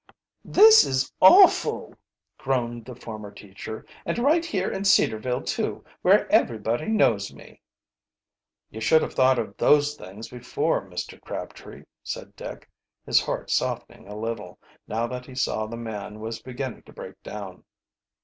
"This is awful!" groaned the former teacher. "And right here in Cedarville, too, where everybody knows me!" "You should have thought of those things before, Mr. Crabtree," said Dick, his heart softening a little, now that he saw the man was beginning to break down.